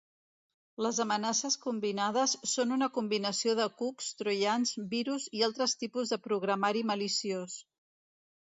Les amenaces combinades són una combinació de cucs, troians, virus i altres tipus de programari maliciós.